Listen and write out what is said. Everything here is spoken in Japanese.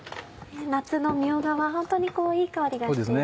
夏のみょうがは本当にいい香りがして。